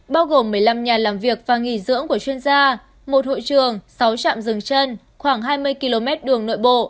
bao gồm một mươi năm nhà làm việc và nghỉ dưỡng của chuyên gia một hội trường sáu trạm rừng chân khoảng hai mươi km đường nội bộ